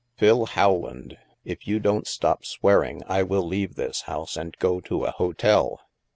" Phil Howland, if you don't stop swearing, I will leave this house and go to a hotel.